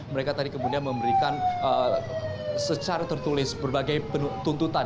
mereka tadi kemudian memberikan secara tertulis berbagai tuntutan